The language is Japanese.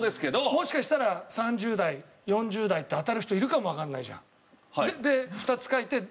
もしかしたら３０代４０代って当たる人いるかもわかんないじゃん。